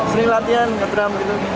seri latihan ngedrum gitu